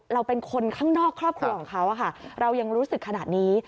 เราเป็นคนข้างนอกครอบครัวของเขาเรายังรู้สึกขนาดนี้